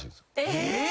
えっ！？